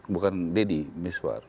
bukan deddy miswar